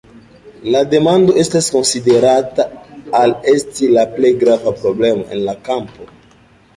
La demando estas konsiderata al esti la plej grava problemo en la kampo.